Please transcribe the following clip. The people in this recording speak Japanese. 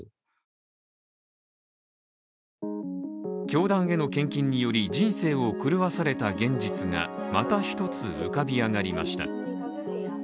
教団への献金により人生を狂わされた現実がまた１つ浮かび上がりました。